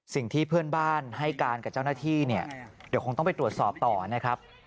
สิ่งที่เพื่อนบ้านให้การกับเจ้าหน้าที่เนี่ยเดี๋ยวคงต้องไปตรวจสอบต่อนะครับ